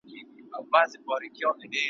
له غيرته ډکه مېنه ,